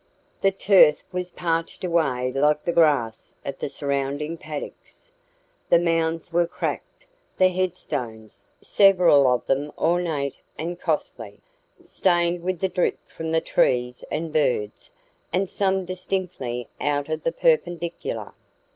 The turf was parched away, like the grass of the surrounding paddocks; the mounds were cracked; the head stones several of them ornate and costly stained with the drip from the trees and birds, and some distinctly out of the perpendicular.